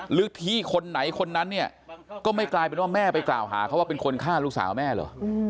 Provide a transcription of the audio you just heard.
หรือที่คนไหนคนนั้นเนี่ยก็ไม่กลายเป็นว่าแม่ไปกล่าวหาเขาว่าเป็นคนฆ่าลูกสาวแม่เหรอ